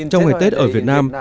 trong ngày tết ở việt nam